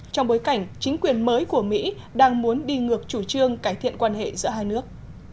trong bối cảnh chính quyền mới của mỹ đang muốn đi ngược chủ trương cải thiện quan hệ giữa hai nước